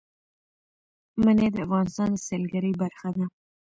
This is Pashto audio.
منی د افغانستان د سیلګرۍ برخه ده.